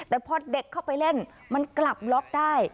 แต่พอเด็กเข้าไปเล่นมันกลับล็อกได้